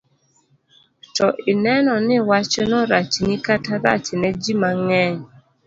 to ineno ni wachno rachni kata rachne ji mang'eny.